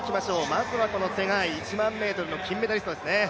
まずはツェガイ、１００００ｍの金メダリストですね。